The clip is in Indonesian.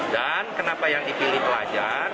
dan kenapa yang dipilih pelajar